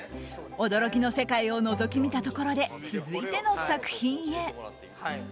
驚きの世界をのぞき見たところで続いての作品へ。